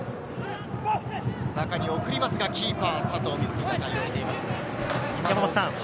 中に送りますが、キーパー・佐藤瑞起が対応しています。